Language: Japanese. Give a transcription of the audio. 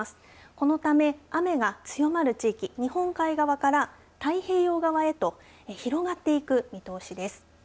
このため雨が強まる地域日本海側から太平洋側へと広がっていく見通しです。